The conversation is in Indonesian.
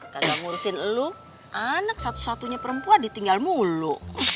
karena ngurusin lu anak satu satunya perempuan ditinggal mulu